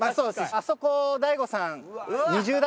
あそこを大悟さん。